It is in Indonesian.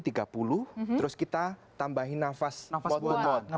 terus kita tambahin nafas buat buat